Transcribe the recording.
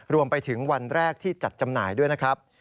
รวมไปถึงวันแรกที่จัดจำหน่ายด้วยนะครับ